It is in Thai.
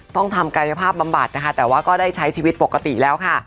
ต้องทำกายภาพบำบัดนะคะแต่ว่าก็ได้ใช้ชีวิตปกติแล้วค่ะ